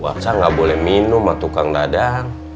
waksa gak boleh minum atukang dadang